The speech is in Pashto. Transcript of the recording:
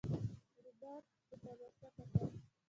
رابرټ په تلوسه کتل.